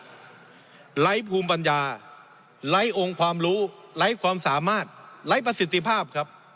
ไร้ภูมิปัญญาไร้องค์ความรู้ไร้ความสามารถไร้ประสิทธิภาพครับ